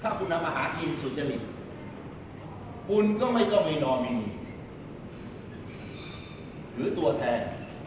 ถ้าคุณเอามาหากินสุจริตคุณก็ไม่ต้องไปนอนไม่มีหรือตัวแทน